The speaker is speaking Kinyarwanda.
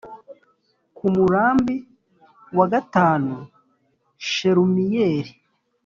ku murambi wa gatanu shelumiyeli